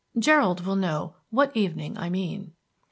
Gerald will know what evening I mean."